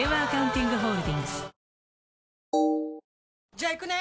じゃあ行くね！